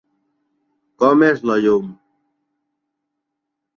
Com és la llum?